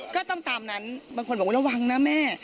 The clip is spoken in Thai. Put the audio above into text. ก็ต้องตามนั้นบางคนบอกว่าระวังนะแม่